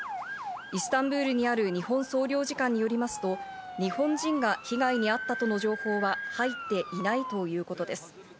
イスタンブールにある日本国総領事館によりますと、日本人が被害にあったという情報は入っていないということです。